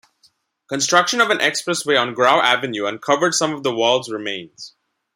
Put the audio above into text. Construction of an expressway on Grau Avenue uncovered some of the wall's remains.